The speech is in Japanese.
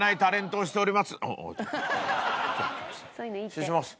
失礼します。